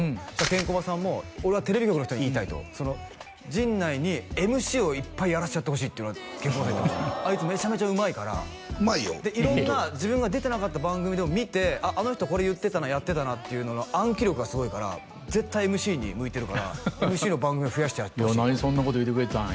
ケンコバさんも「俺はテレビ局の人に言いたい」と「陣内にＭＣをいっぱいやらせてやってほしい」ってケンコバさん言ってました「あいつめちゃめちゃうまいから」色んな自分が出てなかった番組でも見てあの人これ言ってたなやってたなっていうのの暗記力がすごいから絶対ＭＣに向いてるからＭＣの番組増やしてやってほしいとそんなこと言うてくれてたん？